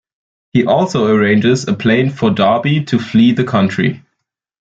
He also arranges a plane for Darby to flee the country.